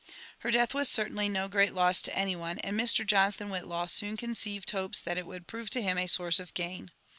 Her death was certainly no great loss to any one, and Mr. Jonathan Whitlaw soon conceived hopes that it would prove to him a source of gain.